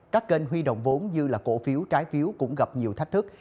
các kênh huy động vốn như là cổ phiếu trái phiếu cũng gặp nhiều thách thức